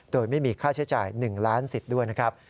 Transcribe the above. โดยไม่มีค่าใช้จ่าย๑ล้านสิทธิ์ด้วยนะครับ